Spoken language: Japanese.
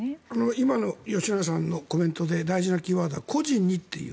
今の吉永さんのコメントで大事なキーワードは個人にという。